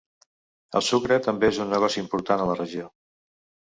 El sucre també és un negoci important a la regió.